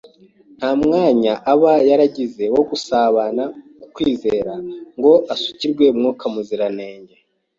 nta mwanya aba yaragize wo gusabana ukwizera ngo asukirwe Mwuka Muziranenge.